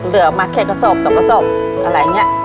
เหลือมาแค่กระสอบสองกระสอบอะไรอย่างนี้